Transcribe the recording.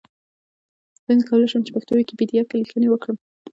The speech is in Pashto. څنګه کولای شم چې پښتو ويکيپېډيا کې ليکنې وکړم؟